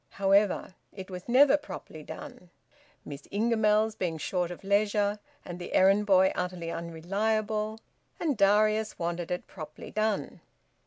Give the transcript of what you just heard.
However, it was never properly done Miss Ingamells being short of leisure and the errand boy utterly unreliable and Darius wanted it properly done.